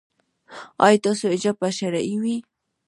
ایا ستاسو حجاب به شرعي وي؟